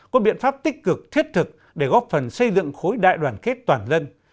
có biện pháp tích cực thiết thực để góp phần xây dựng khối đại đoàn kết toàn dân